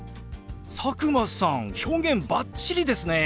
佐久間さん表現バッチリですね。